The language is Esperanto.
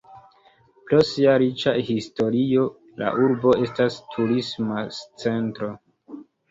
Pro sia riĉa historio, la Urbo estas turisma centro.